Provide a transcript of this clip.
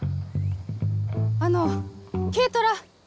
あの軽トラ。